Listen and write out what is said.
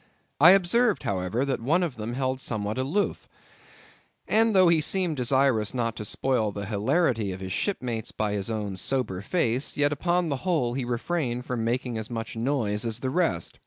I observed, however, that one of them held somewhat aloof, and though he seemed desirous not to spoil the hilarity of his shipmates by his own sober face, yet upon the whole he refrained from making as much noise as the rest.